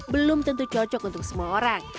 belum tentu cocok untuk semua orang